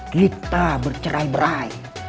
kita bercerai berai